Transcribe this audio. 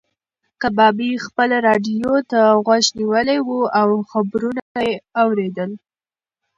کبابي خپلې راډیو ته غوږ نیولی و او خبرونه یې اورېدل.